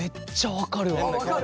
分かる？